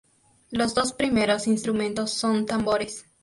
Los dos primeros instrumentos son tambores.